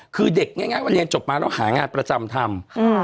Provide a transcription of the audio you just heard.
คือเด็กง่ายว่าเรียนจบมาแล้วหางานประจำทำ